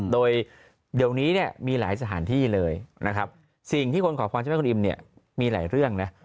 โดยเดี๋ยวนี้เนี่ยมีหลายสถานที่เลยนะครับสิ่งที่คนขอพรใช่ไหมคุณอิมเนี่ยมีหลายเรื่องนะ